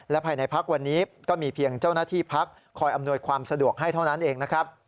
ภายในพักวันนี้ก็มีเพียงเจ้าหน้าที่พักคอยอำนวยความสะดวกให้เท่านั้นเองนะครับ